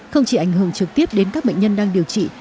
không chỉ ảnh hưởng trực tiếp đến các bệnh nhân đang điều trị